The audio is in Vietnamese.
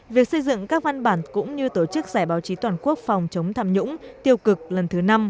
việc xây dựng các văn bản cũng như tổ chức giải báo chí toàn quốc phòng chống tham nhũng tiêu cực lần thứ năm